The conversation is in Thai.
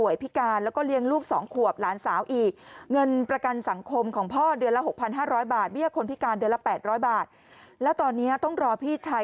จากไหนล่ะไปจ่าย